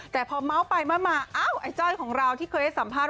แต่พอเมาส์ไปมาอ้าวไอ้จ้อยของเราที่เคยให้สัมภาษณ